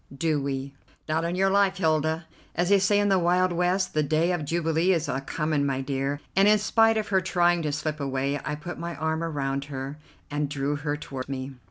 do we?" "Not on your life, Hilda, as they say in the Wild West. The day of jubilee is a coming my dear," and, in spite of her trying to slip away, I put my arm around her and drew her toward me.